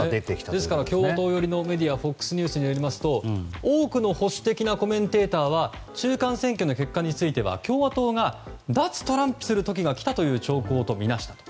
ですから共和党寄りのメディアＦＯＸニュースによりますと多くの保守派のコメンテーターは中間選挙の結果については共和党が脱トランプする時が来たという兆候とみなしたと。